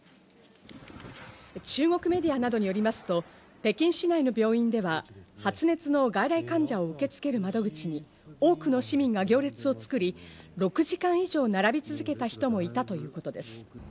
中国メディアなどによりますと、北京市内の病院では発熱の外来患者を受け付ける窓口に多くの市民が行列を作り、６時間以上、並び続けた人もいたということです。